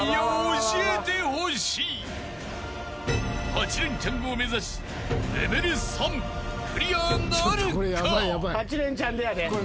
［８レンチャンを目指しレベル３クリアなるか？］